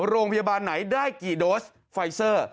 โรงพยาบาลไหนได้กี่โดสไฟเซอร์